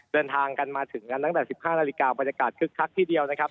เดินทางกันมาถึงกันตั้งแต่๑๕นาฬิกาบรรยากาศคึกคักทีเดียวนะครับ